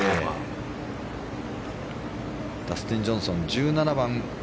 ダスティン・ジョンソン１７番。